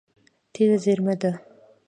تېل زیرمه ده.